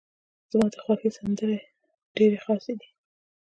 زما ده خوښې سندرې ډيرې خاصې دي.